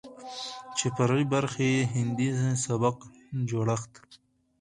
چې فرعي برخې يې هندي سبک جوړښت،